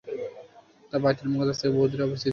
তা বায়তুল মুকাদ্দাস থেকে বহু দূরে অবস্থিত।